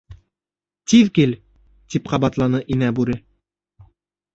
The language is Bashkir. — Тиҙ кил, — тип ҡабатланы Инә Бүре.